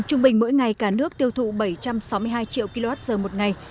trung bình mỗi ngày cả nước tiêu thụ bảy trăm sáu mươi hai triệu kwh một ngày